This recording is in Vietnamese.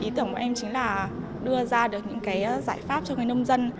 ý tưởng của em chính là đưa ra được những giải pháp cho người nông dân